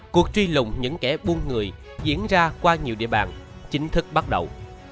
cuộc truy lùng những kẻ buôn người diễn ra qua nhiều địa bàn chính thức bắt đầu